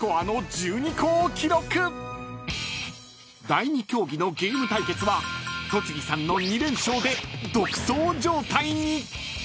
［第２競技のゲーム対決は戸次さんの２連勝で独走状態に］